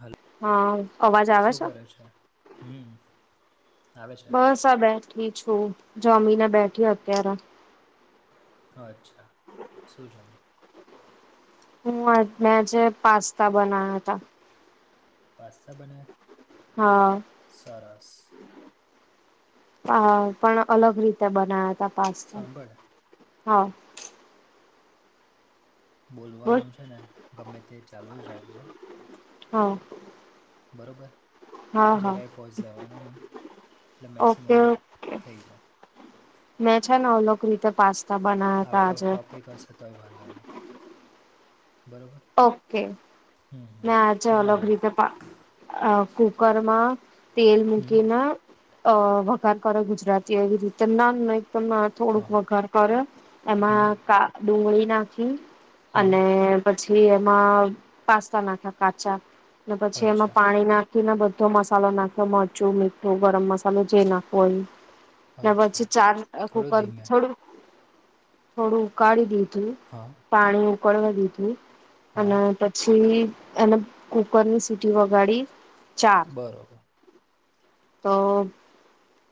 Hello હા અવાજ આવે શું કરે છે હમ આવે છે બસ આ બેઠી છું જમીને બેઠી અત્યારે અચ્છા શું જમી હું મેં જેે પાસ્તા બનાવ્યા હતા પાસ્તાસા બન્યા તા હા સરસ હ પણ અલગ રીતે બનાયા તા પાસ્તા સાંભળ હા બોલ બોલવાનું છે ને ગમે તે ચાલુ જ રાખજે હા બરોબર હા હા જરા એ પોઝ લેવાનો નહીં એટલે ઓકે મેક્સિમમ થઈ જાય મેચ નાવ લોક રીતે પાસ. આઉટ ઓફ ટોપિક હશે તોય વાંધો નહી બરોબર ઓકે હમ હમ મે આજે કેમ ના અલગ બને રીતે કુકરમાં તેલ હમ મૂકીને અ વઘાર કરો ગુજરાતી એ રીતે ના [unintelligible] થોડુંક હા વઘાર કરે હમ એમાં કા ડુંગળી નાખી હમ અને પછી એમાં પાસ્તા નાખ્યા કાચા ને પછી એમાં અચ્છા પાણી નાખ બધો મસાલો નાખ્યો મરચું મીઠું ગરમ મસાલો જે નાખવો હોય ત અચ્છા પછી ચાર થોડું કુકર ધીમે થોડું [unintelligible] થોડું ઉકાળી દીધું હા પાણી ઉકળવા દીધું હા અને પછી એને કુકર ની સીટી વગાડી ચાર બરોબર તો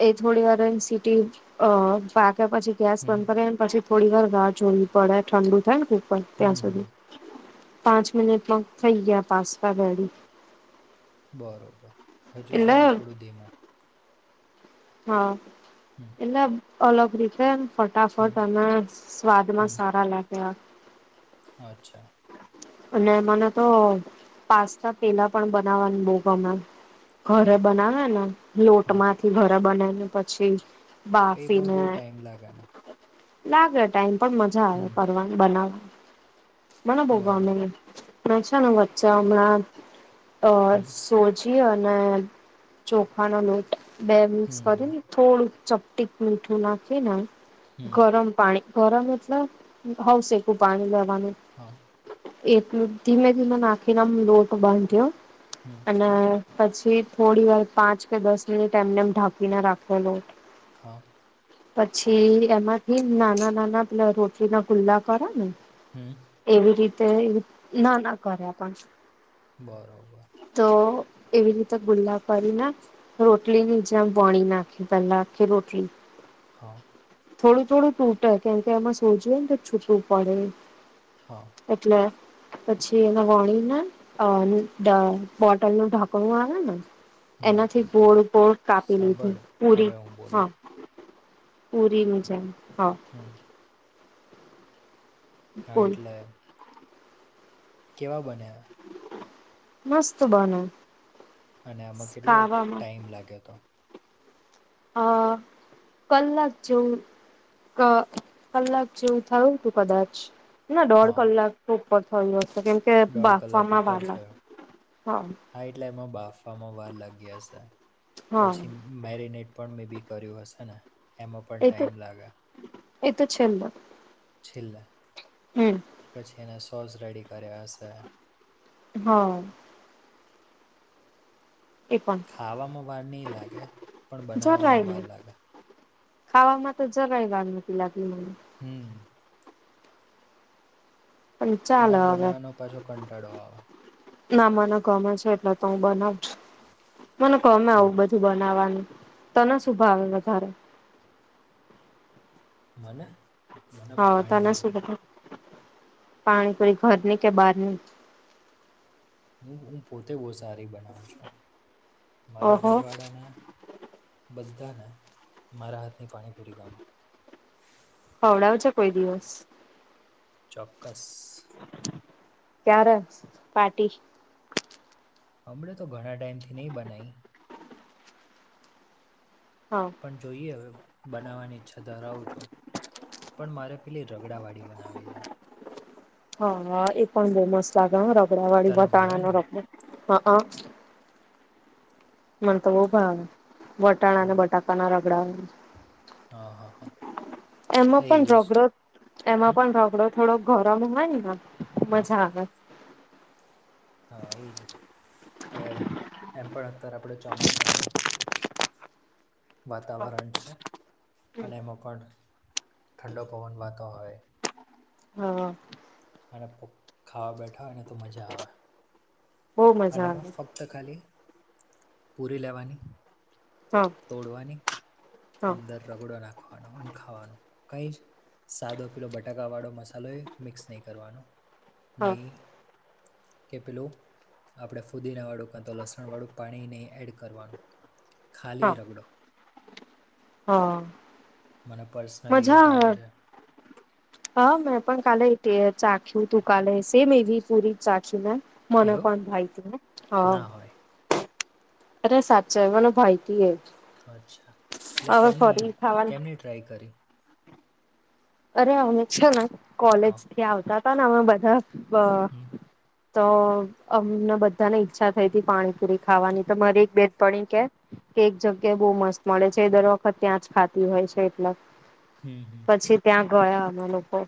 એ થોડી વાર સીટી અ પાક્યા પછી ગેસ હમ બંધ કરીે ને પછી થોડી વાર રાહ જોવી પડે ઠંડુ થાય ને કૂકર હમ ત્યાં હમ સુધી પાંચ મિનિટમાં થઈ ગયા પાસવા ગડી બરાબર હજુ છે એટલે ને થોડું ધીમું હા [unintelligible] [unintelligible] અલગ તેમ ફટાફટ હમ, અમે સ્વાદમાં હમ. સારા લાગે અચ્છા. અને મને તો પાસ્તા પેલા પણ બનાવવાની બહ ગમે ઘરે કયા? બનાવે ને લોટ હા. માંથી ઘરે બને ને પછી તો એ પણ બાફીને બહુ ટાઈમ લાગે ને. લાગે ટાઈમ પણ મજા આવે હમ, કરવાની બનાવવાની મને બો બરોબર. ગમે છેા ને વચ્ચે હમણાં અ હમ, સોજી અને ચોખાનો લોટ બે મિક્સ હમ, કરી હમ, ની થોડુંક ચપટીક મીઠું નાખીને હમ. ગરમ પાણી ગરમ એટલે નવશેકું પાણી લેવાનું હા એટલું ધીમે ધીમે નાખીને લોટ બાંધ્યો હમ્મ અને પછી થોડી વાર પાંચ કે દસ મિનિટ એમનેમ ઢાંકીને રાખેલો હા પછી એમાંથી નાના નાના પે રોટી ના ખુલ્લા કરે ને. હમ્મ એવી રીતે ના ના કર્યા પણ બરોબર તો એવી રીતે ગુલ્લા પાડીને રોટલી ની જેમ પાણી નાખી પહેલા આખે રોટલી હા થોડું થોડું તૂટે કેમ કે એમાં સોજી હોય ને તો છૂટું પડે હા એટલે પછી એમાં વણીને અ બોટલ નું ઢાંકણું આવે ને હમ. એનાથી ગોળ ગોળ કાપી લીધું સાંભળ, પુરી હવે હું બોલું. હા. પૂરીના જેમ હા. હમ્મ હા બોલ એટલે કેવા બન્યા મસ્ત બને અને આમાં કેટલો ખાવામાં ટાઈમ લાગ્યો તો? આ કલાક જેવું ક કલાક જેવું થયું તું કદાચ ના દોઢ હા, કલાક ઉપર થયું હશે કેમકે દોઢ કલાક બાફવામાં ઉપર વાલા થયો. હા હા એટલે એમાં બાફમાં વાર લાગ્યા હશે હા પછી મેરિનેટ પણ મેં બી કર્યું હશે ને એમાં પણ એ તો ટાઈમ લાગે એ તો છેલ્ છેલ્લે હમ્મ પછી એને સોસ રેડી કર્યા હશે હા એ પણ ખાવામાં વાર નહી લાગે પણ જરાય બનાવવામાં વાર નહી લાગે ખાવામાં તો જરાય વાર નતી લાગી મને હમમ. પણ અને ચાલે હવે બનાવવાનો પાછો કંટાળો આવે. ના મને ગમે છે એટલે તો હું બનાવુ છું મને ગમે આવું હા બધું બનાવાનું તને શું ભાવે વધારે? મને મને હા તને શું પાણીપુરી પાણીપુરી ઘરની કે બહાર ની? હું હું પોતે બો સારી બનાવું છું મારા ઓહો ઘર વાળાને બધાને મારા હાથની પાણીપુરી ગમેં. ખવડાવજે કોઈ દિવસ. ચોક્કસ. ક્યારે પાર્ટી? હમણાં તો ઘણા ટાઈમ થી નય બનાઈ. હા. પણ જોઈએ હવે બનાવવાની ઈચ્છા ધરાવું છું. પણ મારે પેલી રગડા વાડી બનાવી હે. હા હા એ પણ બો મસ્ત લાગે રગડાવાડી તને ભાવે વટાણા ને રગડો હા આ. મને તો બઉ ભાવે વટાણા અને હમ બટાકા ના રગડા વાડી. હા હા હા એમાં હા પણ એવી જ રગડો એમાં હમ પણ રગડો થોડો ગરમ હોય ને હા મજા આવે. હા ઈ જ કે એમ પણ અત્યારે આપણે ચોમાસા માં વાતાવરણ છે અને એમાં પણ ઠંડો પવન વાતો હોય હા. અને ખૂબ ખાવા બેઠા અને તો મજા આવે. બહુ અને મજા એમાં આવે ફક્ત ખાલી પૂરી લેવાની હા તોડવાની હા અંદર રગડો નાખવાનો અને ખાવાની કઈ જ સાદો પેલો બટાકાવાળો મસાલો એ મિક્સ નય કરવાનો નય હા કે પેલું આપણે ફુદીનાવાળું કા તો લસણવાળું પાણી નય એડ કરવાનું ખાલી હા રગડો હા મને પર્સનલી એ મજા ભાવે આવે. છે [unintelligible] હા મેં પણ કાલે તે ચાખ્યું તું કાલે સેમ એવી પૂરી ચાખીને મને એવું પણ ભાવતી ને હા. ના હોય અરે સાચે મને ભાઈતી એ અચ્છા એટલે હવે કેમની ફરી ખાવાનું કેમની ટ્રાય કરી. અરે અમે છે ને કોલેજ હા થી આવતા હતા ને અમે બધા હમ તો અમને બધાને ઈચ્છા થઈ હતી પાણીપુરી ખાવાની તો મારી એક બેનપણી કેય કે એક જગ્યાએ બો મસ્ત મળે છે દર વખત ત્યાં જ ખાતી હોય છે એટલે હમમ હમમ. પછી ત્યાં ગયા અમે લોકો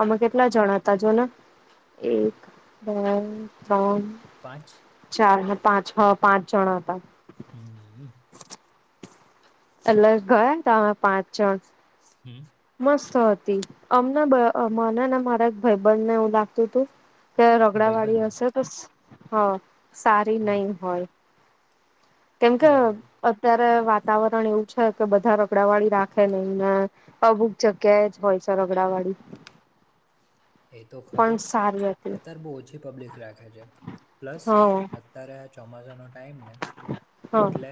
અમે તો કેટલા જણા હતા જોને એક, બે, ત્રણ પાંચ ચાર ને પાંચ હા પાંચ જણા હતા. હમમ અ. એટલે ગયા ને ત્યાં પાંચ જણ હમમ. મસ્ત હતી અમને મને ને મારા ભાઈબધ ને એવું લાગતું હતું કે રગડાવાળી ભાઈબંધને હશે કે સ હા સારી હમ નય હોય. કેમ કે બરોબર અત્યારે વાતાવરણ એવું છે કે બધા રગડાવાળી રાખે નય ને અમુક જગ્યા જ હોય છે રગડાવાળી. એ તો ખરું સારી હતી અત્યારે બહુ ઓછી પબ્લિક રાખે છે પ્લસ હ ્યારે આ ચોમાસાનો ટાઈમ ને હ એટલે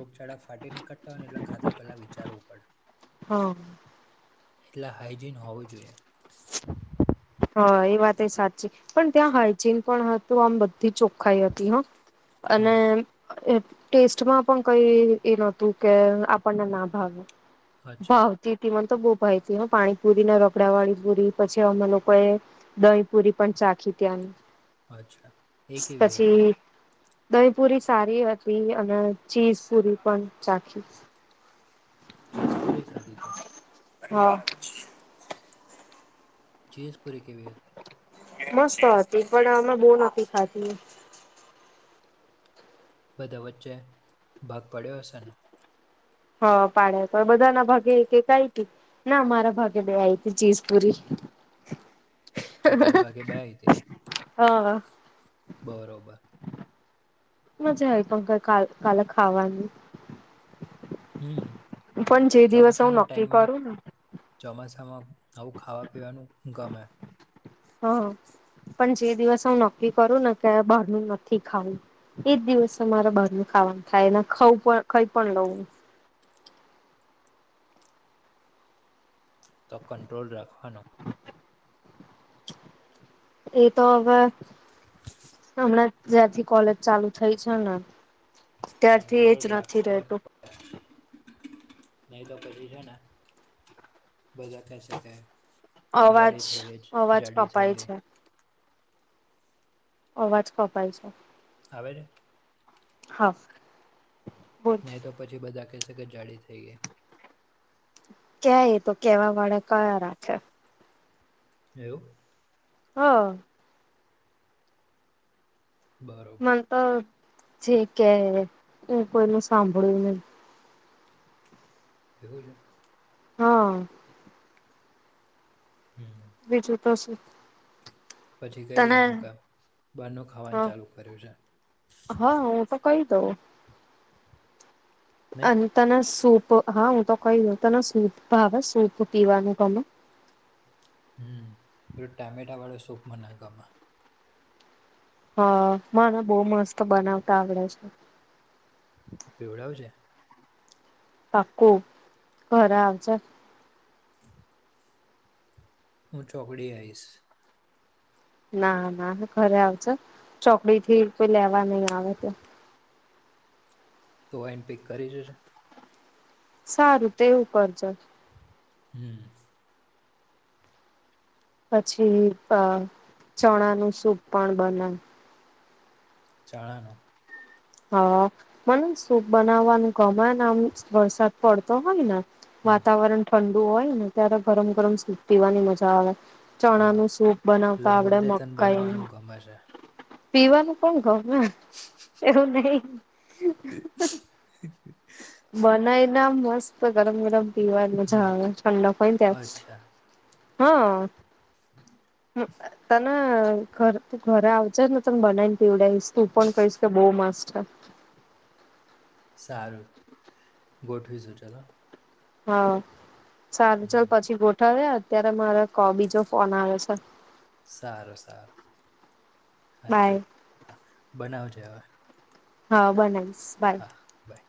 રોગચાળા ફાટી ની કતા હોયને એટ ખાતા પેલા વિચારવું પડે હમ એટલે હાાઈજીન હોવીું જોઈએ હા એ વાત એ સાચી પણ ત્યાં હાઈજીન પણ હતું આમ બધી ચોખાઈ હતી હા અને હમ ટેસ્ટમાં પણ કઈ એ નહતું કે આપણને ના ભાવે અચ્છા ભાવતી હતી મને તો બહ ભાઈતીને પાણી પુરી ને રખડા વાળી પૂરી પછી અમે લોકો કોઈ દહીં પુરી પણ ચાખી ત્યાંની અચ્છા એ કેવી હતી પછી દહી પુરી સારી હતી અને ચીઝ પુરી પણ ચખી તેજપુરે ખાતે તે હા ચીઝ પૂરી કેવી હતી મસ્ત હતી પણ અમે બહું નથી ખાધી બધા વચ્ચે ભાગ પાડ્યો હશેને હ પાડ્યા પર બધા ના ભાગે એક એક આઇતી ના મારા ભાગે બે આઈ તી ચીજ પૂરી જો તાર ભાગે બે આઇતી હ હ બરોબર મજા આઇ [unintelligible] કાલ કાલે ખાવાની હમ પણ જે દિવસ હું ચોમાસાના નક્કી ટાઈમમાં કરું ને ચોમાસામાં આવું ખાવા પીવાનું ગમે હા પણ જે દિવસ હું નક્કી કરું ને કે બહારનું નથી ખાવું એજ દિવસ મારે બહાર ન ખાવાનું થાય એ ખઉ ખાઈ પણ લઉ. તો કન્ટટ્રોલ રાખવાનો એ તો હવે હમણાં જ્યાંથી કોલેજ ચાલુ થઈ છે ને ત્યારથી એજ કંટ્રોલ નથી રાખવો જ રહેતું નહી તો પછી છે ને બધા કેશેકે અવાજ જાડી થઈ ગઈ જ અવાજ જાડી થઈ કપાય ગઈ છે અવાજ કપાય છે. આવે ને હા બોલ નહીં તો પછી બધા કહેશે કે જાડી થઈ ગય. ક્યા એ તો કેવા વાળા કયા રાખે એવુ હા બરોબર મન તો જે કે હવે હું કોઈનું સાંભળુ નહી. [inaudible] હા હમ બીજુ તો શું પછી કહી તને દેવાનું કા બારનું હ ખાવાનું ચાલુ કર્યું છે. હા હું તો કહી દઉ. નહી અને તને સૂપ હા હું તો કઈ દઉ તને સૂપ ભાવે સૂપ પીવાનું ગમે હમ ટામેટા વાળો સૂપ મનેગમેં હમ [unintelligible] બહુ મસ્ત બનાવતા આવડે છે. પીવડાવજે પાકું [unintelligible] [inaudible] હું ચોકડી આઇસ. ના ના ઘરે આવજો ચોકડી થી કોઈ લેવા નહી આવે તો તો એને પિક કરી જશે? સારું તે એવું કરજો. હમ. પછી હું પણ ચણા નું સૂપ પણ બનાવ. અચ્છા. હ મને સૂપ બનાવવાનું ગમે ને આમ વરસાદ પડતો હોય ને હમ વાતાવરણ ઠંડુ હોય ને ત્યારે ગરમ ગરમ સૂપ પીવાની મજા આવે. ચણા હા નું સૂપ એટલે બનાવતા આપડે મુદ્દે તને મકાઈ બનાવવાનું નું. ગમે છે પીવાનું પણ ગમે. [unintelligible] [inaudible] બનાયને મસ્ત ગરમ ગરમ પીવાની મજા હમ આવે, ઠંડક હોય ને અચ્છા ત્યારે હં ત હ તુ ઘરે આવજને તને બનાવીને પીવડાવીશ તું પણ કહીશ કે બહ મસ્ત છે. સારુ ગોઠવીશુ ચાલોને હા સારું ચલ હમ પછી ગોઠવીએ અત્યારે મારો બીજો ફોન આવે છે. સારું સારું હા ચલ બાય હા બનાવજે હવે હા બનાઇ હા- બાય